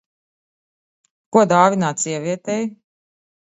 Ko dāvināt sievietei?